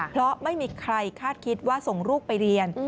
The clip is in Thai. เพราะไม่มีใครคาดคิดว่าส่งลูกไปเรียน